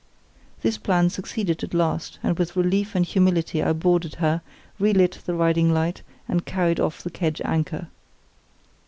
This plan succeeded at last, and with relief and humility I boarded her, relit the riding light, and carried off the kedge anchor.